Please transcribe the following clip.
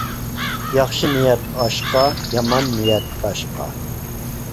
ياخشى نىيەت ئاشقا، يامان نىيەت باشقا.